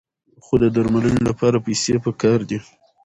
خو د درملنې لپاره پیسې پکار دي.